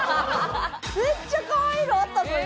めっちゃかわいいのあったぞ今。